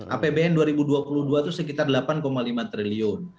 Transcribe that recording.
apbn dua ribu dua puluh dua itu sekitar delapan lima triliun